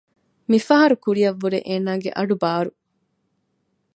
މި ފަހަރު ކުރިއަށްވުރެ އޭނާގެ އަޑު ބާރު